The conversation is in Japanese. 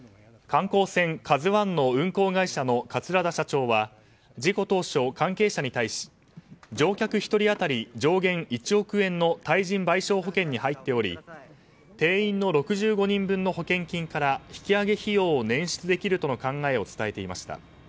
観光船「ＫＡＺＵ１」の運航会社の桂田社長は事故当初、関係者に対し乗客１人当たり上限１億円の対人賠償保険に入っており定員の６５人分の保険金から引き揚げ費用を捻出できるとの考えを伝えていました。